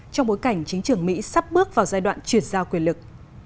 trong bối cảnh chính trường mỹ sắp bước vào giai đoạn chuyển giao quyền lực